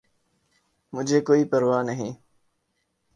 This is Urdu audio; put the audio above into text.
!مجھے کوئ پرواہ نہیں